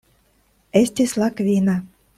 Estis la kvina.